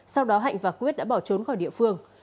sau đó hạnh và quyết đã bỏ trốn khỏi địa phương